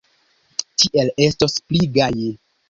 Tiel estos pli gaje.